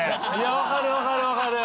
分かる分かる分かる。